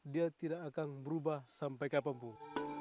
dia tidak akan berubah sampai kapanpun